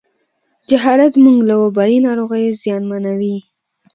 جهالت موږ له وبایي ناروغیو زیانمنوي.